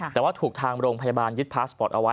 แต่ว่าถูกทางโรงพยาบาลยึดพาสปอร์ตเอาไว้